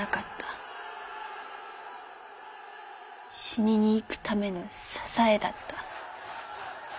死にに行くための支えだった。